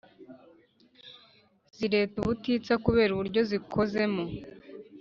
Zireta ubutitsa kubera uburyo zikozemo